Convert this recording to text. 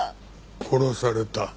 殺された。